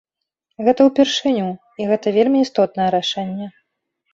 Гэта ўпершыню і гэта вельмі істотнае рашэнне.